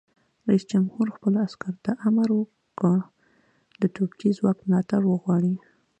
رئیس جمهور خپلو عسکرو ته امر وکړ؛ د توپچي ځواک ملاتړ وغواړئ!